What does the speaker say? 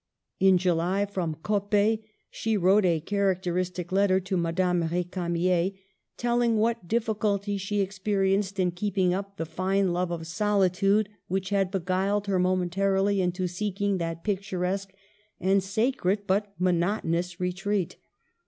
In July, from Coppet, she wrote a characteristic letter to Madame R6camier, telling what diffi culty she experienced in keeping up the fine love of solitude, which had beguiled her momentarily into seeking that picturesque and sacred but monotonous retreat.